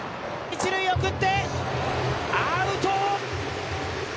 一塁送ってアウト！